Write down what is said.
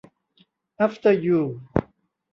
อาฟเตอร์ ยู